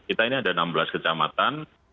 kita ini ada enam belas kecamatan